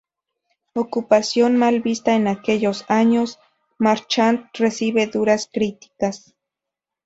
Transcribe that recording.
Ocupación mal vista en aquellos años, Marchant recibe duras críticas.